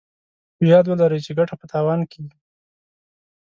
په ياد ولرئ چې ګټه په تاوان کېږي.